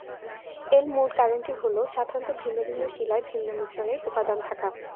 এর মূল কারণটি হ'ল সাধারণত ভিন্ন ভিন্ন শিলায় ভিন্ন মিশ্রণের উপাদান থাকা।